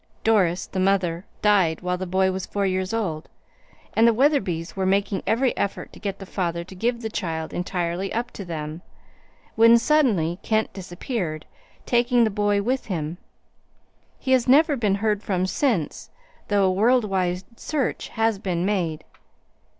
Doris, the mother, died when the boy was four years old, and the Wetherbys were making every effort to get the father to give the child entirely up to them, when suddenly Kent disappeared, taking the boy with him. He has never been heard from since, though a world wide search has been made.